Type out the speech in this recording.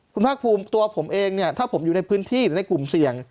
คุณภาคภูมิตัวผมเองเนี่ยถ้าผมอยู่ในพื้นที่หรือในกลุ่มเสี่ยง